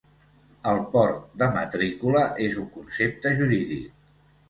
El port de matrícula és un concepte jurídic.